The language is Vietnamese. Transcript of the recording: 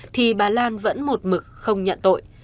thì bà lan vẫn một mực không nhận tội